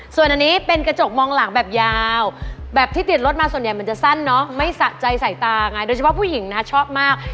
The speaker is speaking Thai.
ส่วนอันนี้เป็นกระจกมองหลังแบบยาวแบบที่ติดรถมาส่วนใหญ่มันจะสั้นเนาะไม่สะใจใส่ตาไงโดยเฉพาะผู้หญิงนะชอบมาก